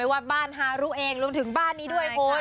ว่าบ้านฮารุเองรวมถึงบ้านนี้ด้วยคุณ